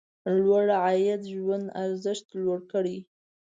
لوړ عاید ژوند ارزښت لوړ کړي.